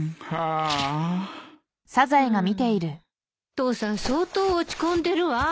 父さん相当落ち込んでるわ。